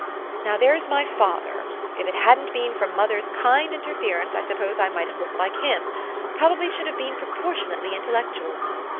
Now, there's my father. If it hadn't been for moth er's kind interference, I suppose I might have looked like him ; probably should have been propor tionately intellectual.